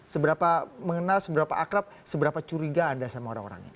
seberapa mengenal seberapa akrab seberapa curiga anda sama orang orangnya